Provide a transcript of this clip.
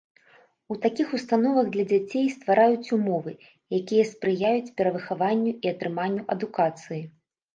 У такіх установах для дзяцей ствараюць умовы, якія спрыяюць перавыхаванню і атрыманню адукацыі.